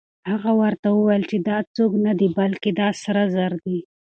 هغه ورته وویل چې دا څوک نه دی، بلکې دا سره زر دي.